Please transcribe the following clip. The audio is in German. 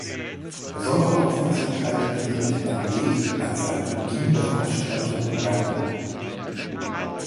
Besondere Aufmerksamkeit erhielt der Komet, als seine beginnende Aufspaltung bemerkt wurde.